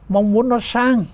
mong muốn nó sang